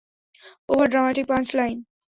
Over dramatic punch line!